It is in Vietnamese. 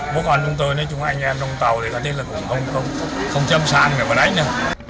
bố con chúng tôi nói chung là anh em đồng tàu thì có thể là cũng không châm sàn vào đấy nè